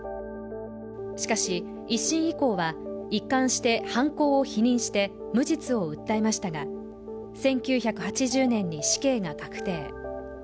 しかし、１審以降は一貫して犯行を否認して無実を訴えましたが１９８０年に死刑が確定。